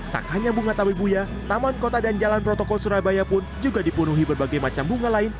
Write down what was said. tak hanya bunga tawibuya taman kota dan jalan protokol surabaya pun juga dipenuhi berbagai macam bunga lain